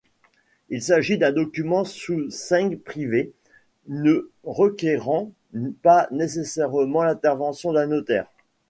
Il s'agit d'un document sous seing privé ne requérant pas nécessairement l'intervention d'un notaire.